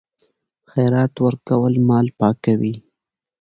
خیرات ورکول مال پاکوي.